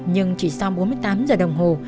nhưng chỉ sau bốn mươi tám giờ đồng hồ